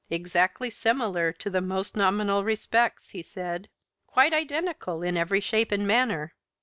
"Exactly similar to the most nominal respects," he said. "Quite identical in every shape and manner."